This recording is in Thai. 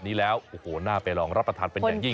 น่าไปลองรับประทานเป็นอย่างยิ่ง